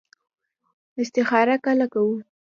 استخاره کله کوو؟